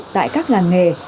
tại các làng nghề